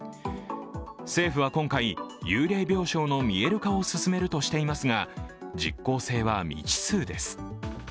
政府は今回、幽霊病床の見える化を進めるとしていますが実効性は未知数です。